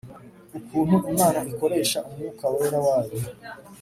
ukuntu Imana ikoresha umwuka wera wayo